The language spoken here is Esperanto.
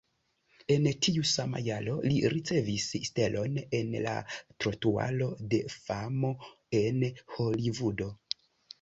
En tiu sama jaro li ricevis stelon en la Trotuaro de famo en Holivudo.